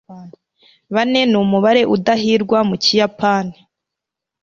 Bane numubare udahirwa mukiyapani.